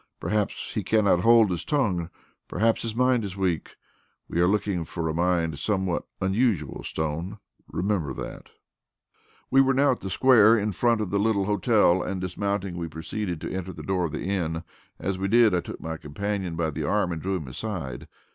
Perhaps he cannot hold his tongue; perhaps his mind is weak. We are looking for a mind somewhat unusual, Stone, remember that." We were now at the Square in front of the little hotel and, dismounting, we proceeded to enter the door of the inn. As we did so, I took my companion by the arm and drew him aside.